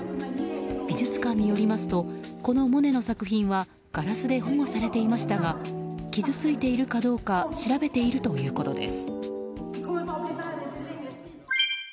美術館によりますとこのモネの作品はガラスで保護されていましたが傷ついているかどうか調べているということです。